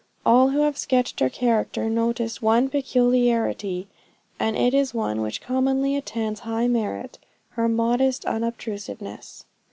All who have sketched her character notice one peculiarity and it is one which commonly attends high merit her modest unobtrusiveness.